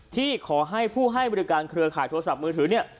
ที่ขอให้ผู้แห้งการเครือข่ายโทรศัพท์มือถือ